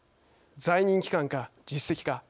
在任期間か実績か。